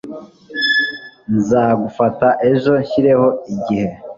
Nzagufata ejo nshyireho igihe.